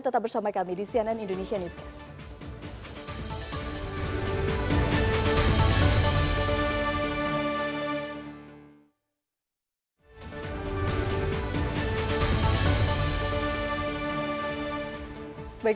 tetap bersama kami di cnn indonesia newscast